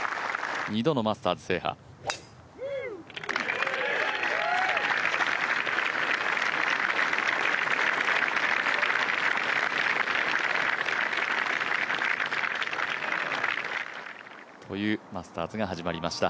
二度のマスターズ制覇。というマスターズが始まりました。